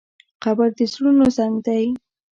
قبر د زړونو زنګ دی.